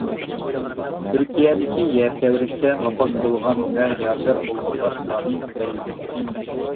تۈركىيەدىكى يەر تەۋرەشتە ۋاپات بولغان ۋە يارىدار بولغانلار سانى كۆپەيمەكتە.